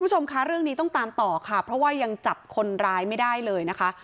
คุณผู้ชมคะเรื่องนี้ต้องตามต่อค่ะเพราะว่ายังจับคนร้ายไม่ได้เลยนะคะ